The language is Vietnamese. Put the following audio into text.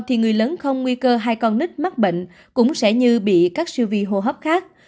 thì người lớn không nguy cơ hai con nít mắc bệnh cũng sẽ như bị các siêu vi hô hấp khác